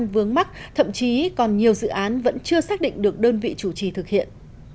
vướng mắt thậm chí còn nhiều dự án vẫn chưa xác định được đơn vị chủ trì thực hiện